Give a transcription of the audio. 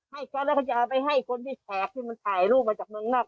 ให้ก็จะเอาไปให้คนที่แขกที่มันถ่ายรูปมาจากเมืองนอก